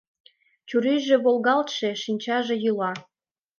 Чурийже волгалтше, шинчаже йӱла.